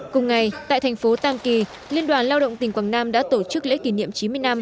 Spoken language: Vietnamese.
cùng ngày tại thành phố tam kỳ liên đoàn lao động tỉnh quảng nam đã tổ chức lễ kỷ niệm chín mươi năm